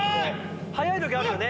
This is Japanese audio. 早い時あるよね。